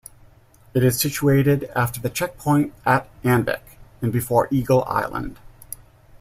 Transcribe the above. It is situated after the checkpoint at Anvik and before Eagle Island.